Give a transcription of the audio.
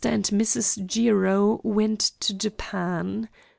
and Mrs. Jiro went to Japan.